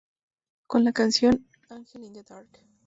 Con la canción "Angel In The Dark".